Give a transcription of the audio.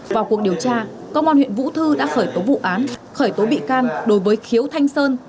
vào cuộc điều tra công an huyện vũ thư đã khởi tố vụ án khởi tố bị can đối với khiếu thanh sơn